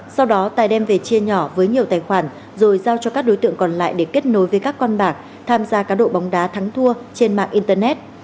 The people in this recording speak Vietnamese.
sau đó tài đem về chia nhỏ với nhiều tài khoản rồi giao cho các đối tượng còn lại để kết nối với các con bạc tham gia cá độ bóng đá thắng thua trên mạng internet